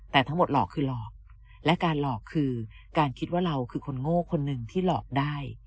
แต่ทั้งหมดหลอกคือหลอกและการหลอกคือการคิดว่าเราคือคนโง่คนหนึ่งที่หลอกได้